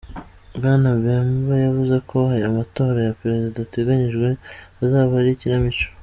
Bwana Bemba yavuze ko aya matora ya perezida ateganyijwe azaba ari "ikinamico.